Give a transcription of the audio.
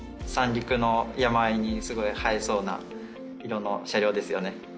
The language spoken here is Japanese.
三陸の山あいにすごい映えそうな色の車両ですよね。